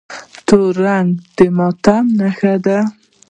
تور رنګ د ماتم نښه ده.